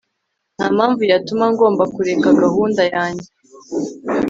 Nta mpamvu yatuma ngomba kureka gahunda yanjye